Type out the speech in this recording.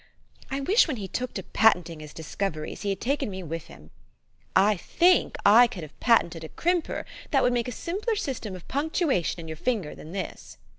I wish, when he took to patent ing his discoveries, he had taken me with him. I think I could have patented a crimper that would 32 THE STORY OF AVIS. make a simpler system of punctuation in your finger than this."